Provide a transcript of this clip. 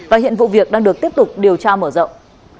và hiện vụ việc đang được tiếp tục điều tra mở rộng